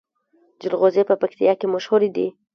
جلغوزي په پکتیا کې مشهور دي